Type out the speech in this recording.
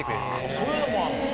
そういうのもあるの？